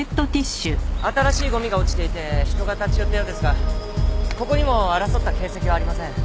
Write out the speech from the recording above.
新しいゴミが落ちていて人が立ち寄ったようですがここにも争った形跡はありません。